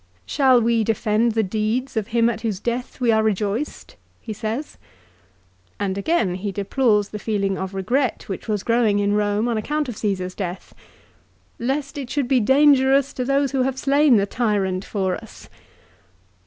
" Shall we defend the deeds of him at whose death we are rejoiced?" he says. And again, he deplores the feeling of regret which was growing in Eome on account of Caesar's death, " lest it should be dangerous to those who have slain the tyrant for us."